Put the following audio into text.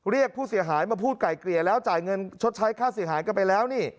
เรียกผู้เสียหายมาพูดไก่เกลี่ยแล้วจ่ายเงินชดใช้ค่าเสียหายกันไปแล้วนี่